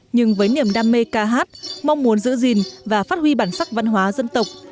nhưng với niềm đam mê ca hát mong muốn giữ gìn và phát huy bản sắc văn hóa dân tộc